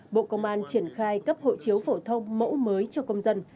bộ công an triển khai cấp hộ chiếu phổ thông mẫu mới cho công dân